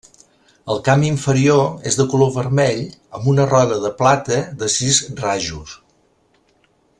El camp inferior és de color vermell amb una roda de plata de sis rajos.